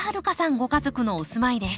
ご家族のお住まいです。